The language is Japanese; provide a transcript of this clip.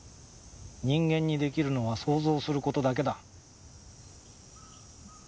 人間に出来るのは想像する事だけだ。